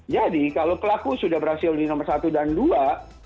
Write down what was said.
jadi kalau pelaku sudah berhasil di nomor satu dan dua